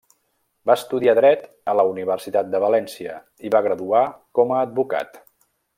Va estudiar dret a la Universitat de València, i va graduar com a advocat.